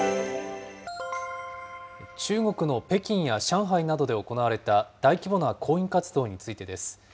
中国の北京や上海などで行われた大規模な抗議活動についてです。